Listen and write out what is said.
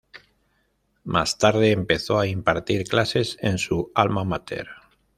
Más tarde empezó a impartir clases en su alma máter.